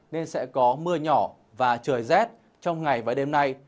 nên sẽ có mưa nhỏ và trời rét trong ngày và đêm nay